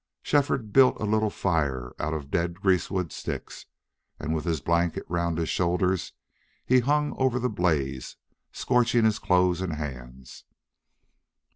Shefford built a little fire out of dead greasewood sticks, and with his blanket round his shoulders he hung over the blaze, scorching his clothes and hands.